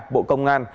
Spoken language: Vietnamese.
bộ công an